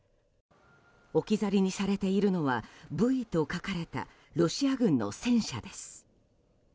置き去りにされているのは「Ｖ」と書かれたロシア軍の戦車です。